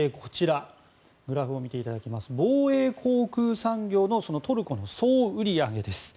グラフを見ていただきますと防衛航空産業のトルコの総売り上げです。